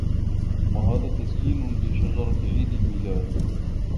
هذا تزيين لشجرة عيد الميلاد.